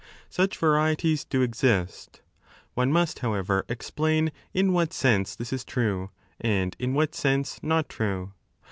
Such varieties do exist. One must, however, explain in what sense this is true and in what 12 sense not true.